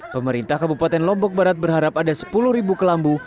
pemerintah kabupaten lombok barat berharap ada sepuluh kelambu